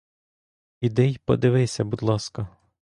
Іди й подивися, будь ласка!